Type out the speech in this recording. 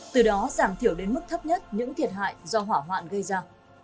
từ đó giảm thiểu đến mức thấp nhất những thiệt hại do hỏa hoạn gây ra